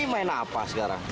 ini main apa sekarang